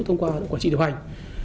thông qua quản trị điều hành